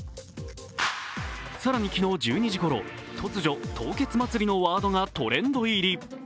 更に昨日１２時ごろ、突如「凍結祭り」のワードがトレンド入り。